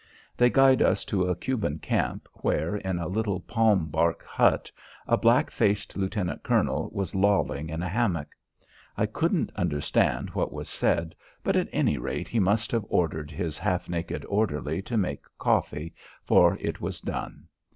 They guide us to a Cuban camp where, in a little palm bark hut, a black faced lieutenant colonel was lolling in a hammock. I couldn't understand what was said, but at any rate he must have ordered his half naked orderly to make coffee, for it was done.